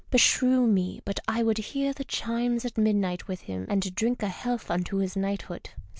— Beshrew me, but I would hear the chimes at midnight with him and drink a health unto his knighthood.